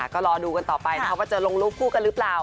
ก็รอดูกันต่อไปนะคะว่าจะลงรูปคู่กันหรือเปล่า